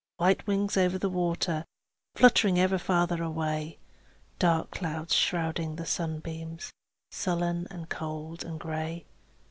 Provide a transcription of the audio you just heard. White wings over the water, Fluttering ever farther away; Dark clouds shrouding the sunbeams, Sullen and cold and gray.